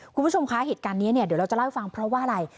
คุณผู้ชมคะเหตุการณ์นี้เนี่ยเดี๋ยวเราจะเล่าให้ฟังเพราะว่าอะไร